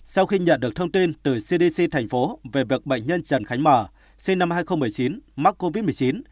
sau khi nhận được thông tin từ cdc thành phố về việc bệnh nhân trần khánh mờ sinh năm hai nghìn một mươi chín mắc covid một mươi chín